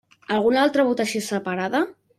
Alguna altra votació separada?